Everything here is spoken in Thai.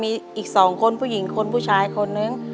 มีอีก๒คนผู้หญิงคนผู้ชายคนนึง